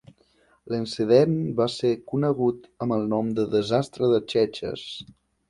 L'incident va ser conegut amb el nom de desastre de Cheches.